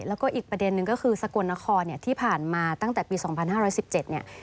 แล้วก็อีกประเด็นนึงก็คือสกลนครเนี่ยที่ผ่านมาตั้งแต่ปี๒๕๑๗เนี่ย